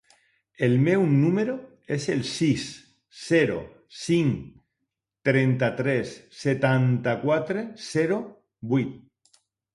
El meu número es el sis, zero, cinc, trenta-tres, setanta-quatre, zero, vuit.